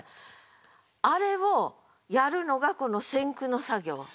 あれをやるのがこの選句の作業。